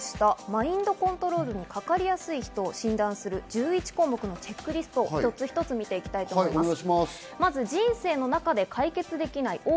マインドコントロールにかかりやすい人を診断する１１項目のチェックリスト、一つ一つ見ていきます。